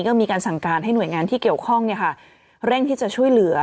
ก็มีการสั่งการให้หน่วยงานที่เกี่ยวข้องเร่งที่จะช่วยเหลือ